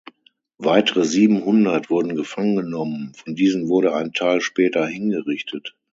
Weitere siebenhundert wurden gefangen genommen, von diesen wurde ein Teil später hingerichtet.